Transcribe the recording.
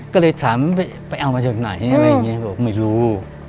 ก็เลยถามไปเอามาจากไหนบอกไม่รู้